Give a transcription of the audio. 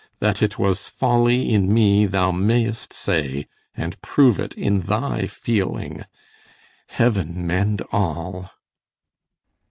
That it was folly in me thou mayst say, And prove it in thy feeling. Heaven mend all!